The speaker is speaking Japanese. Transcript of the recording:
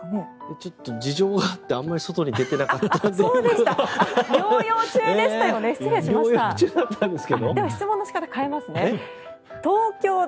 ちょっと事情があってあまり外に出てなかったので。